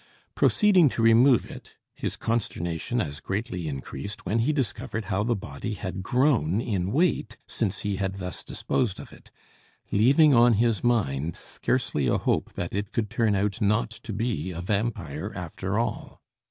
Proceeding to remove it, his consternation as greatly increased when he discovered how the body had grown in weight since he had thus disposed of it, leaving on his mind scarcely a hope that it could turn out not to be a vampire after all.